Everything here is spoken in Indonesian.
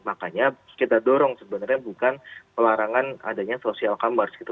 makanya kita dorong sebenarnya bukan pelarangan adanya social commerce gitu